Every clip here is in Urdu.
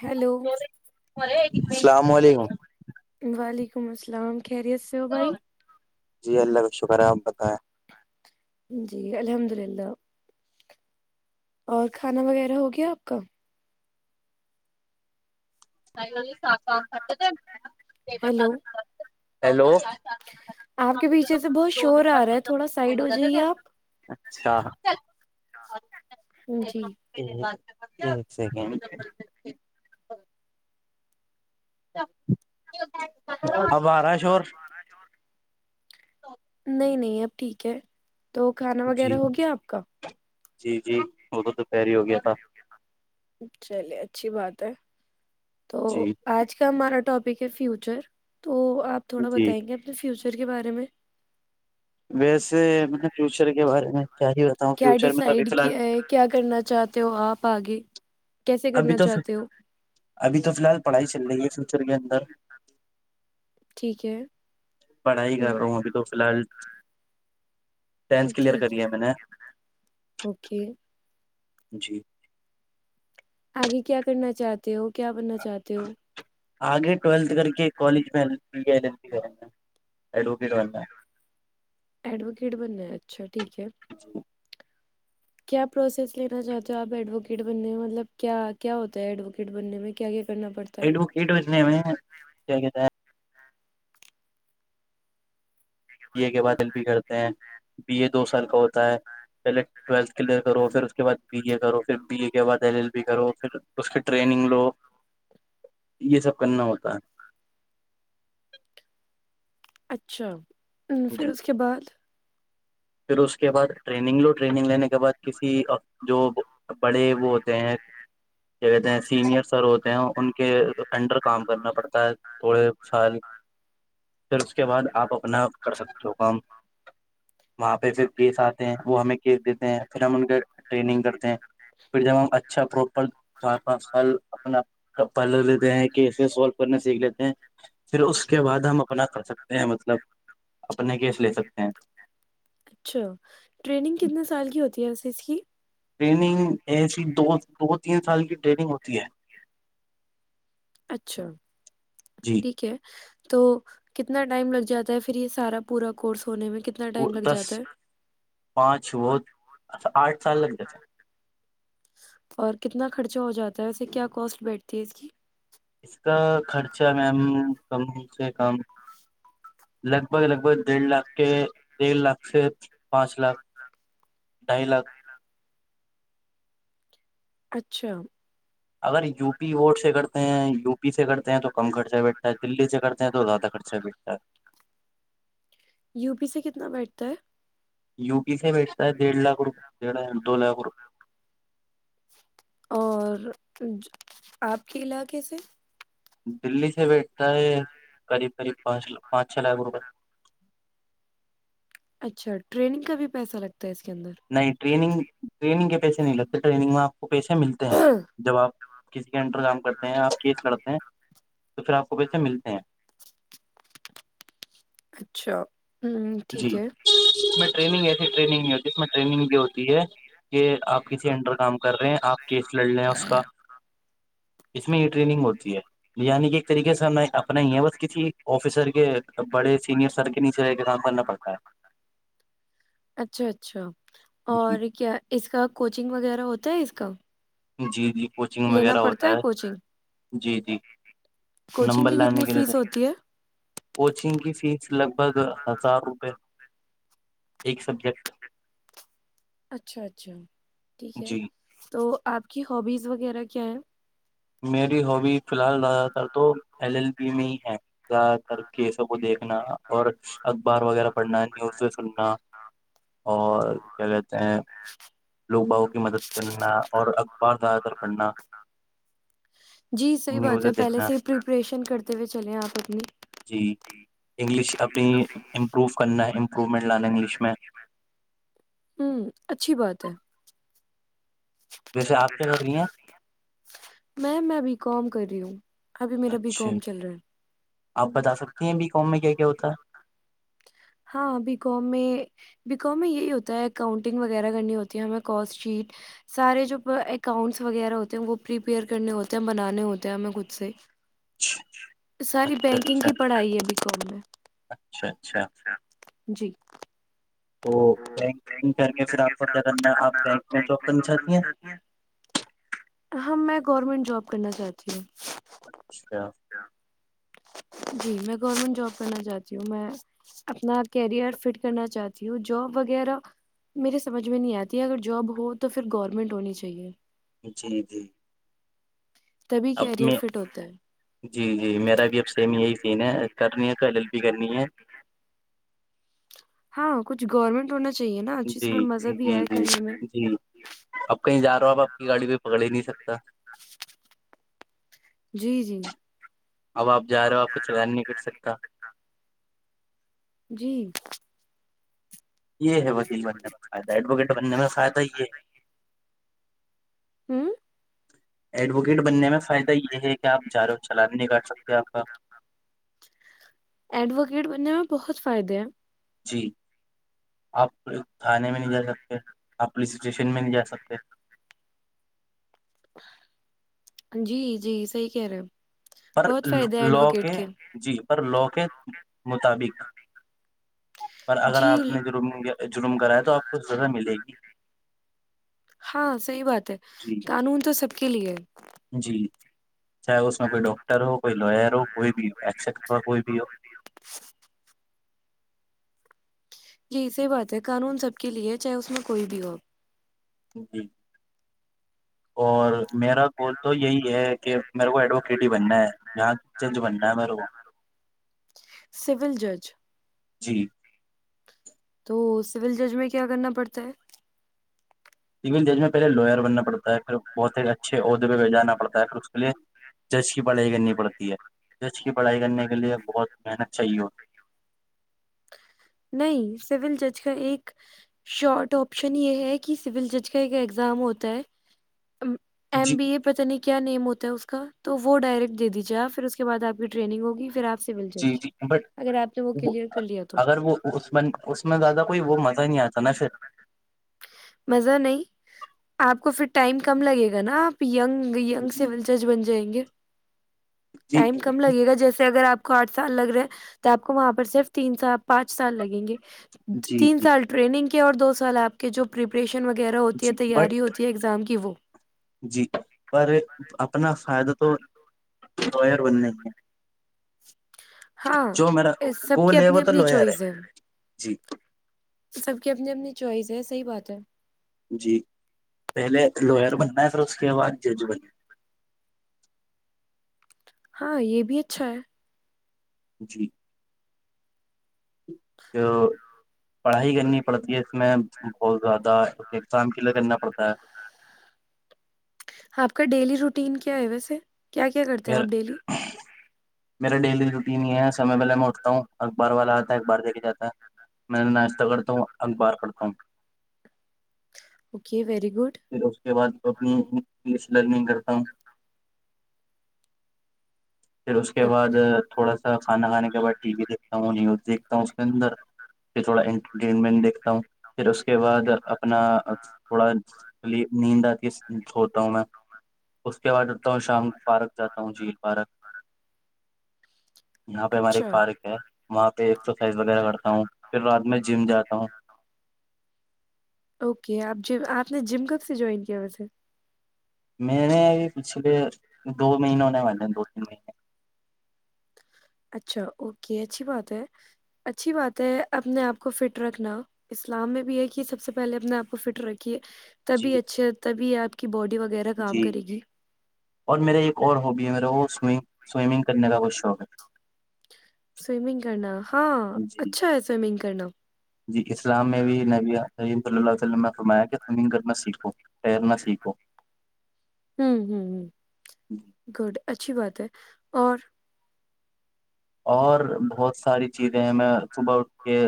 ہیلو السلام علیکم وعلیکم السلام کہہریی سے ہو بھائی جی اللہ کا شکر ہے آپ بتائیں جی الحمد للہ اور کھانا وغیرہ ہو گیا آپ کا [inaudible] ہیلو [unintelligible] ہیلو آپ کے پیچھے سے بہت شور آ رہا ہے تھوڑا سائڈ ہو جائیے آپ اچھااں [inaudible] جی ایک سیکنڈ [unintelligible] نہیں نہیں اب ٹھیک ہے تو کھانا جی وغیرہ ہو گیا آپ کا جی جی وہ تو دوپہر ہو گیا تھا چلیے اچھی بات ہے تو جی آج کا ہمارا ٹاپ فیوچر تو آپ تھوڑا جی بتائیں گے اپنے فیوچر سر کے بارے میں ویسے میں نے فیوچر کے بارے میں کیا ہی بتاؤں کیا فیوچر میں تو ابھی ڈسائڈ فی الحال کیا کیا کرنا چاہتے ہو آپ آگے کیسے ابھی کرنا تو چاہتے ہو ابھی تو فی الحال پڑھائی چل رہی ہے فیوچر کے اندر ٹھیک ہے پڑھائی کر رہا ہوں ابھی تو فی الحال ٹینتھ کلیئر ٹھیک کری ہے میں نے اوکے جی آگے کیا کرنا چاہتے ہو کیا بننا چاہتے ہو آگے ٹویلتھ کر کے کالج میں اڈو پھروندا ایڈوکیٹ بننا ہے اچھا ٹھیک ہے کیا پروسیس لینا چاہتے ہو آپ ایڈووکیٹ بننے میں مطلب کیا کیا ہوتا ہے ایڈووکیٹ بننے میں کیا کیا کرنا پڑتا ہے ایڈ وکٹ بجنے میں کیا کہتا ہے بی اے کے بادل بھی کرتے ہیں بی اے دو سال کا ہوتا ہے پہلے ٹیلتھ کلیئر کرو پھر اس کے بد بی اے کرو پھر بی ا کے بعد دلیل بھی کرو پھر اس کے ٹریننگ لو یہ سب کرنا ہوتا ہے اچھا پھر جی اس کے بعد پھر اس کے بعد ٹریننگ لو ٹریننگ لینے کے بعد کسی جو بڑے وہ ہوتے ہیں کیا کہتے ہیں سینئر سر ہوتے ہیں ان کے انڈر کام کرنا پڑتا ہے تھوڑے سال پھر اس کے بعد آپ اپنا کر سکتے ہو کام وہاں پہ پھر کیس آتے ہیں وہ ہمیں کیس دیتے ہیں پھر ہم ان کے ٹریننگ کرتے ہیں پھر جب ہم اچھا پروپر چار پانچ سال اپنا پہلے لیتے ہیں کیس سولو کرنے سیکھ لیتے ہیں پھر اس کے بعد ہم اپنا کر سکتے ہیں مطلب اپنے کیس لے سکتے ہیں اچھا ٹریننگ کتنے سال کی ہوتی ا اس کی ٹریننگ ایسی دو دو تین سال کی ٹریننگ ہوتی ہے اچھا جی ٹھیک ہے تو کتنا ٹائم لگ جاتا ہے پھر یہ سارا پورا کورس ہونے میں کتنا وہ ٹائم لگ دس جاتا ہے پانچ وہ آٹھ سال لگ جات تھے اور کتنا خرچہ ہو جاتا ہے اسے کیا کوسٹ بیٹھتی ہے اس کی اس کا خرچہ میم کم سے کم لگ بھگ لگ بھگ ڈھ لاکھ کے ڈھ لاکھ سے پانچ لاکھ ڈھائی لاکھ اچھا اگر یو پی ووٹ سے کرتے ہیں یو پی پی سے کرتے ہیں تو کم خرچہ بیٹھتا ہے دلی سے کرتے ہیں تو زیادہ خرچہ بیٹھتا ہے یو پی سے کتنا بیٹھتا ہے یو پی سے بیچتا ہے ڈیڑھ لاکھ روپے ڈھ ہ دو لاکھ روپئے اور آپ کے علاقے سے دلی سے بیٹھا ہے قریب قریب پانچ پانچ چھ لاکھ روپئے اچھا ٹرینگ کا بھی پیسہ لگتا ہے اس کے اندر نہیں گ ٹگ پ سا پیسے ملتے ہیں جب آپ کسی گن کام کرتے ہیں آپ کیز کرتے ہیں تو پھر آپ کو پیسے ملتے ہیں اچھا ہوں جی ٹھیک ہے اس میں ٹریننگ ایسی ٹریگ نہیں ہو جس میں ٹرینگ ہو ہے کہ آپ کسی انڈر کام کر رہے ہیں آپ کیس لڑ لیں اس کا اس میں یہ ٹریننگ ہوتی ہے عنی کہ طریقے سے ہم اپنا یہ بست کسی آفیسر کے بڑے سینئر سر کے نیچے رہے کے س اچھا اچھا ہے جی اور کیا اس کا کوچنگ وغیرہ ہوتا ہے اس کا جی جی کوچنگ لینا وغیرہ ہوتا پڑتا ہے کوچنگ جی جی کوچنگ نمبر کی کتنی لانے کے لیے تو فیس ہوتی ہے کوچنگ کی فیس لگ بھگ ہزار روپئے اچھا اچھ اچھا ٹھیک ہے جی تو آپ کی ہبیز وغیرہ کیا میری ہابی فی الحال زیادہ تر تو ایل ایل پی میں ہی ہے زیادہ تر کیسوں کو دیکھنا اور اخبار وغیرہ پڑھنا نیوزیں سننا اور کیا کہتے ہیں لوگ باؤ کی مدد کرنا اور اخبار زیادہ تر پڑھنا جی صحیح بات نیوزیں ہے پہلے دیکھنا سے ہی پریپریشن کرتے ہوئے چلیں آپ اپنی جی انگلش اپنی امپرو کرنا پومٹ لالا انگلش میں ہوں اچھی بات ہے ویسے آپ کیا کر رہی ہیں میم میں بیکم کر رہی ہوں ابھی میرا بی اچھا کام چل رہا ہے ک ہاں بی کام میں بییکم میں یہی ہوتا ہے اکاؤنٹنگ وغیرہ کرنی ہوتی ہے ہمیں کوسٹ شیٹ سارے جو اکاؤنٹس وغیرہ ہوتے ہیں وہ پریپیئر کرنے ہوتے ہیں بنانے ہوتے ہیں ہمیں خود سے ہے ساری اچھا بینکنگ اچھا کی پڑھائی ہے بییکم میں اچھا اچھا جی تو بینکنگ کر کے پھر آپ کو کیا کرنا آپ بینک میں جاب کرنا چاہتی ہیں ہاں میں گورنمنٹ جاب کرنا چاہتی ہیں اچھا جی میں گورنمنٹ جاب کرنا چاہتی ہوں میں اپنا کیریئر فٹ کرنا چاہتی ہوں جو جاب وغیرہ میرے سمجھ میں نہیں آتی ہے اگر جاب ہو تو پھر گورنمنٹ ہونی چاہیے جی جی تبھی اب کیریئر میں فٹ ہوتا ہے جی جی میرا بھی اب سیم یہی سین ہے کرنی ہے تو ایل ایل بی کرنی ہے ہاں کچھ گورنمنٹ ہونا چاہیے نا جی جس میں مزہ بھی جی آئے جی کرنے میں جی اب کہیں جا رہے ہو ا آپ کی گاڑی بھی پکڑ ہی نہیں سکتا جی جی اب آپ جا رہے ہو آپ کا چکان نہیںکٹ سکتا جی یہ ہے وکیل بننے میں فائدہ ایڈوکیٹ بننے میں فائدہ یہ ہے ہوں ایڈوکیٹ بننے میں فائدہ یہ ہے کہ آپ جارو چلانے نہیں کاٹ سکتے آپ کا ایڈوکیٹ بننے میں بہت فائدے ہیں جی آپ کھانے میں نہیں جا سکتے آپ پولیس اسٹیشن میں نہیں جا سکتے جی جی صحی کہہ رہے ہو پر لا کے جی پر لو کے مطابق پر اگر جی آپ نے جر جرم کرایا تو آپ کو سزا ملے گی ہاں صحی بات ہے جی قانون تو سب کی لیے جی چاہے اس میں کوئی ڈاکٹر ہو کوئی لوئر ہو کوئی بھی ہو ایکسپٹ ہو کوئی بھی ہو یہی سی بات ہے قانون سب کے لیے ہے چاہے اس میں کوئی بھی ہو جی اور میرا گول تو یہی ہے کہ میرے کو ایڈووکیٹ ہی بننا ہے یہاں جج بننا میں میرے کو سول جج جی تو سول جج میں کیا کرنا پڑتا ہے سول جج میں پہلے لوئر بننا پڑتا ہے پھر بہت ہی اچھے عہدےہجانا پڑتا ہے اس کے لیے جش کی پڑھائی کرنی پڑتی ہے ج [unintelligible] کی پڑھائی کرنے کے لیے بہت محنت چاہیے ہو [unintelligible] نہیں سول جج کا ایک شارٹ آپشن یہ ہے کہ سول جج کا ایک ایگزام ہوتا ہے [unintelligible] ایم جی بی ا پت نہیں کیا نیم ہوتا ہے اس کا [unintelligible] تو وہ ڈائریکٹ دے دیجیےا پھر اس کے بع آپ کی ٹرینگ ہوگی پھر آپ [unintelligible] سول جی جج جی بٹ اگر آپ نے وہ کلیئر کر لیا تو اگر وہ [unintelligible] اس میں اس میں زیادہ کوئی وہ مزہ ہی نہیں آتا نا پھر مزہ نہیں [unintelligible] آپ کو پھر ٹائم کم لگے گا نا آپ یگ یینگ جی سیول جج بن جائیں گے جی ٹائم کم لگے گا جیسے اگر آپ آٹھ سال لگ رہے ہیں تو آپ کو وہاں پر صرف تین سال پانچ سال لگیں گے جی تین جی سال ٹریننگ کے اور دو سال آپ کے جو پرریپریشن [unintelligible] وغیرہ ہوتی ہے جی تیاری بٹ ہوتی ہے ایگزام کی وہ [unintelligible] جی پر اپنا فائدہ تو [unintelligible] ر بند نہیں ہے [unintelligible] ہاں جو میرا سب کی گول ہے اپنی وہ تو اپنی لوئر چوائز ہے جی [unintelligible] سب کی اپنی اپنی چوائس ہے صحیح بات ہے [unintelligible] جی پہلے لوئر بننا ہے پھر اس کے بعد جج بننا [unintelligible] ہاں یہ بھی اچھا ہے جی [unintelligible] تو پڑھائی کرنی پڑتی ہے اس میں بہت زیادہسام [unintelligible] آپ کا ڈیلی رو رٹین کیا ہے ویسے کیا کیا کرتے ہیں میرا آپ ڈیلی میرا ڈیلی روٹین ہی ہے سمے پہے میںٹتا ہوں اخبار والا آتا ہے اخبار دیکھ جاتا ما ناش پگڑتا ہوں اخبار پڑھتا ہوں اوکے ویری گڈ پھر اس کے بعد اپنی انگلش لرننگ کرتا ہوں پھر اس کے بعد تھوڑا سا کانا کھانے کے بعد ٹی وی دیکھتا ہوں نیوز دیک ہ اس کے اندر پ تھوڑا انٹرٹینمنٹ دیکھتا ہوں پھر اس کے بعد اپنا تھوڑالی نیند آتی ہے دھوتا ہوں میں اس کے بعد اتا ہوں شام کو پارک جاتا ہوں جھیل پارک یہاں پہ ہماریے ایک اچھا پارک ہے وہاں پہ ایکسرسائز وغیرہ کرتا ہوں پھر رات میں جم جاتا ہوں اوکے آپ جم اپ نے جم کب سے جوائن کیا وجسے میںیر نے اب پچھلے دو مہینوں نے م دو تین مہینے اچھا اوکے اچھی بات ہے اچھی بات ہے اپنے آپ کو فٹ رکھنا اسلام میں بھی ہے کہ سب سے پہلے اپنے آپ کو فٹ رکھیے جی تبھی اچھے تبھی آپ کی باڈی وغیرہ کام جی کرے گی اور میرا ایک اور ہوابی ہے میرا وہ اس میں سوئمنگ کرنے کا کچھ شوق ہے سومنگ کرنا ہاں ہے جی اچھا ہے سومنگ کرنا جی اسلام میں بھی نب عیم ص اللہ ت نے فرمایا کہ سوئمنگ کرنا سیکھوں پیرناہ سیکھو ہوں ہوں ہ گڈ اچھا اچھی بات ہے اور اور بہت ساری چیزیں ہمیں صبح اٹھ کے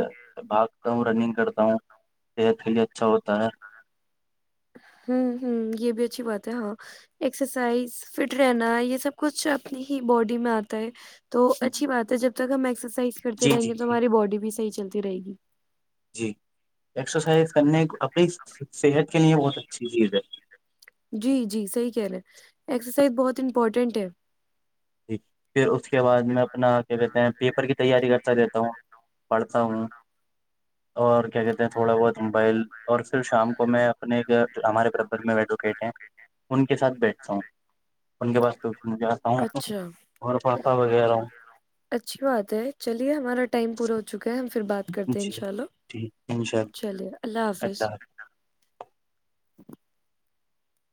بھاگتا ہوں رننگ کرتا ہوں صحت کے لیے اچھا ہوتا ہے ہ ہوں یہ بھی اچھی بات ہے ہاں ایکسرسائز فٹ رہنا یہ سب کچھ اپنی ہی باڈی میں آتا ہے تو اچھی جی بات ہے جب کا میکس کرتے جی رہیں جی گے تو جی ہماراری باڈی بھیحیح چلتی ت رہے گی جی ایکسرسائز کرنے اپنی صحت کے لیئے بہت اچھی چیز ہے جی جی صحیح کہہ رہے ہیں ایکسرسائز بہت امپورٹینٹ ہے ج پھر اس کے بعد میں اپنا کیا کہتے ہیں پیپر کی تیاری کرتا رہتا ہوں پڑھتا ہوں اور کیا کہتے ہیں تھوڑا بہت موبائل اور پھر شام کو میں اپنے ہمارے بربر میں ایڈوکیٹ ہیں ان کے ساتھ بیٹھتا ہوں ان کے بس تو مجھے بتاؤ اچھا اچھی بات ہے چلیے ہمارا ٹائم پورا ہو چکا ہے ہم بات کرتے ہیں ان جی شاء اللہ ٹھیک انشاء اللہ چلیے اللہ حافظ